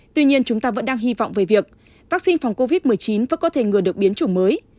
tuy nhiên chúng ta vẫn đang hy vọng về việc vaccine phòng covid một mươi chín vẫn có thể ngừa được biến chủng mới